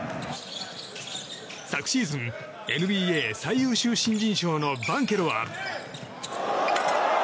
昨シーズンＮＢＡ最優秀新人賞のバンケロは。